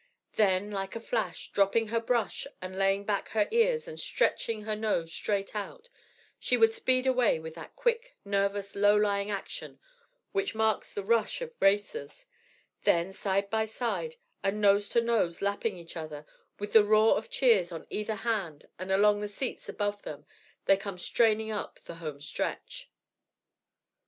Then like a flash, dropping her brush and laying back her ears and stretching her nose straight out, she would speed away with that quick, nervous, low lying action which marks the rush of racers, when side by side and nose to nose lapping each other, with the roar of cheers on either hand and along the seats above them, they come straining up the home stretch.